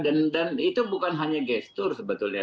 dan itu bukan hanya gestur sebetulnya